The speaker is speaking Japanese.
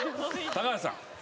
高橋さん。